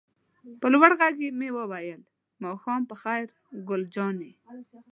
په لوړ غږ مې وویل: ماښام په خیر ګل جانې.